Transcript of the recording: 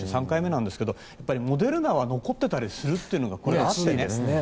３回目なんですけどモデルナは残ってたりするというのがあってね。